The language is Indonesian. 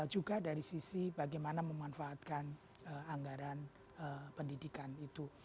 juga dari sisi bagaimana memanfaatkan anggaran pendidikan itu